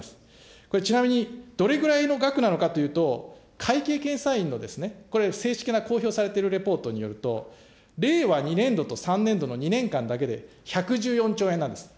これ、ちなみにどれぐらいの額なのかというと、会計検査院のこれ、正式な公表されてるレポートによると、令和２年度と３年度の２年間だけで１１４兆円なんです。